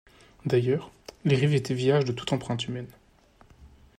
D’ailleurs, les rives étaient vierges de toute empreinte humaine.